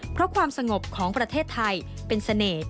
เพราะความสงบของประเทศไทยเป็นเสน่ห์